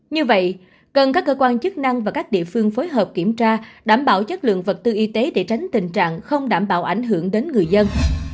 như vậy cần các cơ quan chức năng và các địa phương phối hợp kiểm tra đảm bảo chất lượng vật tư y tế để tránh tình trạng không đảm bảo ảnh hưởng đến người dân